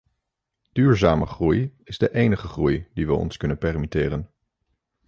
Duurzame groei is de enige groei die we ons kunnen permitteren.